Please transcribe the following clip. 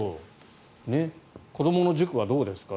子どもの塾はどうですか？